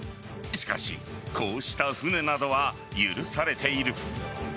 しかしこうした船などは許されている。